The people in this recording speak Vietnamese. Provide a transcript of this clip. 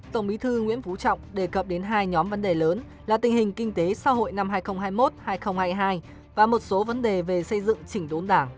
tổng bí thư nguyễn phú trọng đề cập đến hai nhóm vấn đề lớn là tình hình kinh tế xã hội năm hai nghìn hai mươi một hai nghìn hai mươi hai và một số vấn đề về xây dựng chỉnh đốn đảng